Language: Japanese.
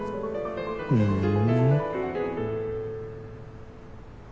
ふん。